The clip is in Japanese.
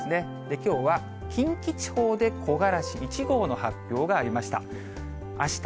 きょうは、近畿地方で木枯らし１号の発表がありました。